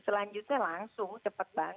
selanjutnya langsung cepet banget